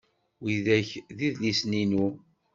Widak d idlisen-inu.